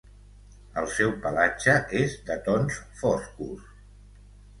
El seu pelatge és de tons foscos.